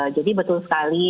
jadi betul sekali